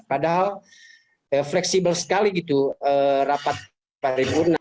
padahal fleksibel sekali gitu rapat paripurna